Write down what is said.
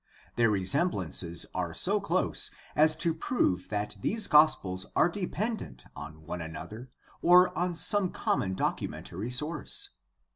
Their resemblances are so close as to prove that these gospels are dependent on one another or on some common documentary source.